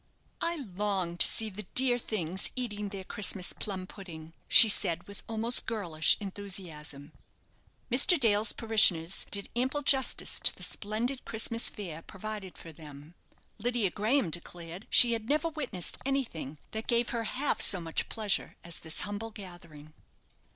"I long to see the dear things eating their Christmas plum pudding," she said, with almost girlish enthusiasm. Mr. Dale's parishioners did ample justice to the splendid Christmas fare provided for them. Lydia Graham declared she had never witnessed anything that gave her half so much pleasure as this humble gathering.